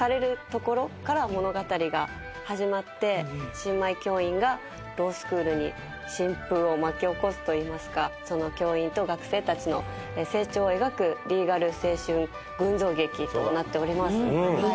新米教員がロースクールに新風を巻き起こすといいますかその教員と学生たちの成長を描くリーガル青春群像劇となっております。